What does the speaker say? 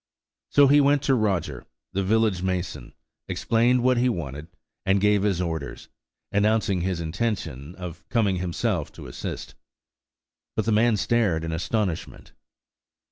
So he went to Roger, the village mason, explained what he wanted, and gave his orders, announcing his intention of coming himself to assist. But the man stared in astonishment.